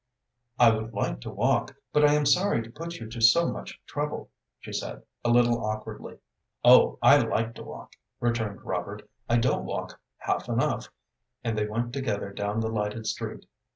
"I would like to walk, but I am sorry to put you to so much trouble," she said, a little awkwardly. "Oh, I like to walk," returned Robert. "I don't walk half enough," and they went together down the lighted street.